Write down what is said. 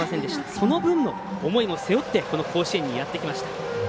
その分の思いも背負ってこの甲子園にやってきました。